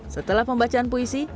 setelah pembacaan puisi